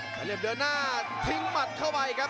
เหลี่ยมเดินหน้าทิ้งหมัดเข้าไปครับ